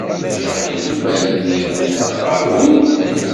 Ulac aɣilif ma rniɣ-n ɣer-went?